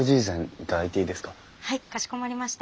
はいかしこまりました。